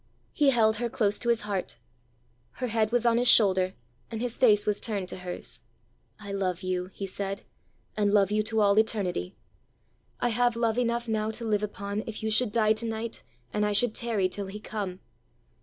He held her close to his heart; her head was on his shoulder, and his face was turned to hers. "I love you," he said, "and love you to all eternity! I have love enough now to live upon, if you should die to night, and I should tarry till he come.